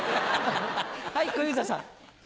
はい小遊三さん。